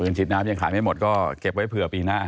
ฉีดน้ำยังขายไม่หมดก็เก็บไว้เผื่อปีหน้า